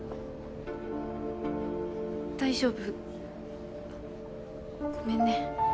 大丈夫？ごめんね。